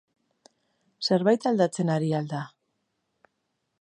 Zerbait aldatzen ari al da?